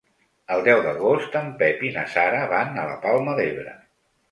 El deu d'agost en Pep i na Sara van a la Palma d'Ebre.